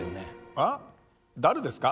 えっ誰ですか？